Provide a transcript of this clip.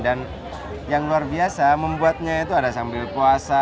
dan yang luar biasa membuatnya itu ada sambil puasa